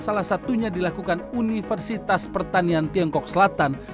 salah satunya dilakukan universitas pertanian tiongkok selatan